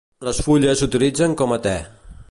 Les fulles s'utilitzen com a te.